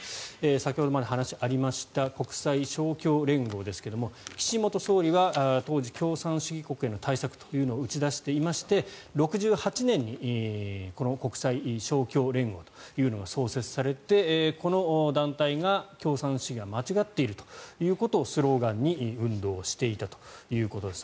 先ほども話にありました国際勝共連合ですが岸元総理は当時共産主義国への対策というのを打ち出していまして６８年にこの国際勝共連合は創設されてこの団体が、共産主義は間違っているということをスローガンに運動していたということです。